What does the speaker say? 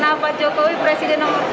kenapa jokowi presiden nobar